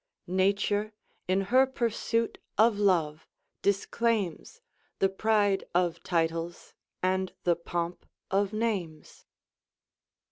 "Nature, in her pursuit of love, disclaims The pride of titles, and the pomp of names."